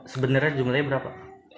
sebenarnya jumlahnya berapa